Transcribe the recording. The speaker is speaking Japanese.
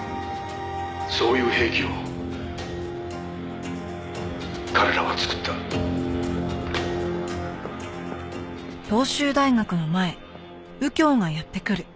「そういう兵器を彼らは作った」桝本。